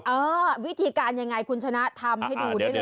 เออวิธีการยังไงคุณชนะทำให้ดูได้เลย